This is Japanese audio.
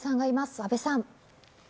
阿部さん。